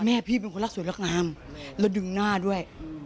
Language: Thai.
พี่เป็นคนรักสวยรักงามแล้วดึงหน้าด้วย